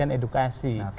kita berikan edukasi